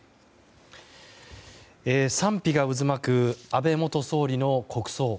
賛否が渦巻く安倍元総理の国葬。